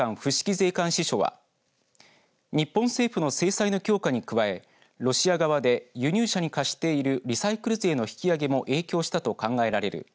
税関支署は日本政府の制裁の強化に加えロシア側で輸入車に課しているリサイクル税の引き上げも影響したと考えられる。